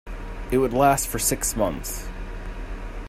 It would last for six months.